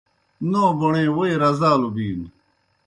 نو بوݨے ووئی رزالوْ بِینوْ